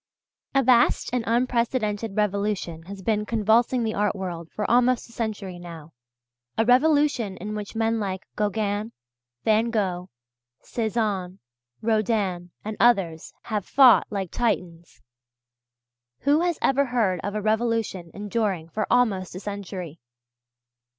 A vast and unprecedented revolution has been convulsing the art world for almost a century now, a revolution in which men like Gauguin, Van Gogh, Cézanne, Rodin, and others, have fought like Titans. Who has ever heard of a revolution enduring for almost a century?